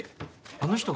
あの人が？